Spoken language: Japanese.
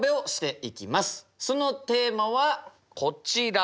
そのテーマはこちら。